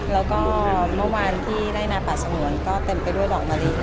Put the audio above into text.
แล้วก็เมื่อวานที่ไล่นาปัสสมวนก็เต็มไปด้วยดอกมะลิ้นนะครับ